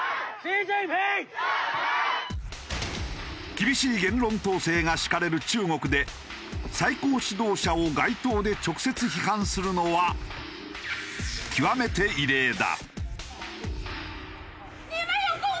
厳しい言論統制が敷かれる中国で最高指導者を街頭で直接批判するのは極めて異例だ。